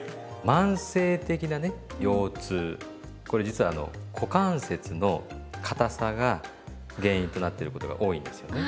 慢性的なね腰痛これ実はあの股関節のかたさが原因となってることが多いんですよね。